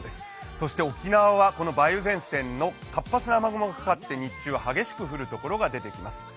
そして沖縄はこの梅雨前線の活発な雨雲がかかって、日中は激しく降る所が出てきます。